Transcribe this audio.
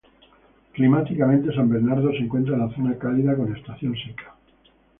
Climáticamente, San Bernardo se encuentra en la zona cálida con estación seca.